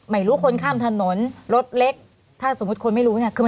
ไม่รู้คนข้ามถนนรถเล็กถ้าสมมุติคนไม่รู้เนี่ยคือ